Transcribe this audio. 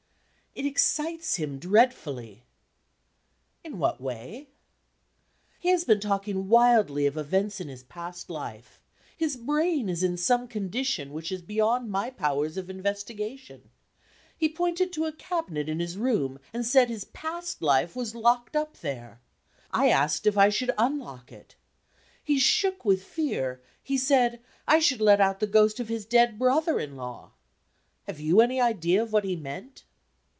"It excites him dreadfully." "In what way?" "He has been talking wildly of events in his past life. His brain is in some condition which is beyond my powers of investigation. He pointed to a cabinet in his room, and said his past life was locked up there. I asked if I should unlock it. He shook with fear; he said I should let out the ghost of his dead brother in law. Have you any idea of what he meant?"